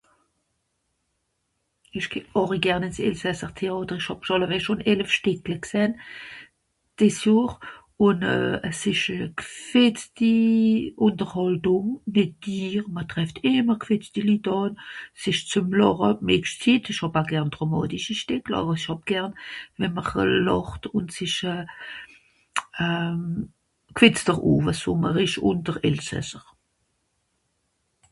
Ìch geh àri gern ìns elsasser Téàter, ìch hàb (...) schùn elef Stìckle gsähn, dìs Johr. Ùn euh es ìsch euh... gfìtzti Ùnterhaltùng (...) ma trefft ìmmer gfìtzti Litt àn. S'ìsch zem làche (...). Ìch hàb aa gern dràmàtischi Stìckla àwer ìch hàb gern we'mr euh làcht ùn s'ìsch euh... euh... gfìtzter Owe so mr ìsch ùnter Elsässer.